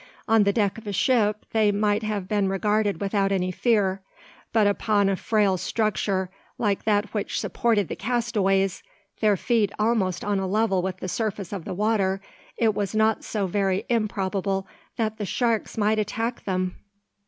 On the deck of a ship they might have been regarded without any fear; but upon a frail structure like that which supported the castaways their feet almost on a level with the surface of the water it was not so very improbable that the sharks might attack them!